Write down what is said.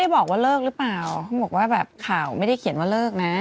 แบบข่าวไม่ได้เขียนว่าเลิกนะ